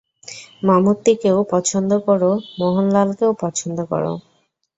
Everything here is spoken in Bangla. মামুত্তিকেও পছন্দ করো মোহনলালকেও পছন্দ করো।